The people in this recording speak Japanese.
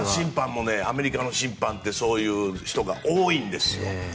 アメリカの審判ってそういう人が多いんですよ。